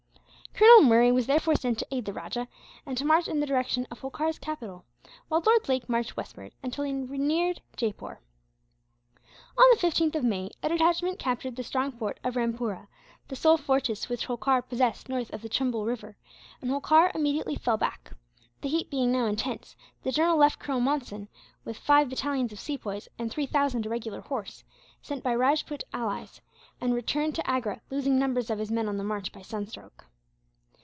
Colonel Murray was therefore sent to aid the rajah, and to march in the direction of Holkar's capital; while Lord Lake marched westward, until he neared Jaipore. On the 15th of May a detachment captured the strong fort of Rampoora, the sole fortress which Holkar possessed north of the Chumbul river; and Holkar immediately fell back. The heat being now intense, the general left Colonel Monson, with five battalions of Sepoys and three thousand irregular horse, sent by Rajpoot allies, and returned to Agra, losing numbers of his men on the march, by sunstroke.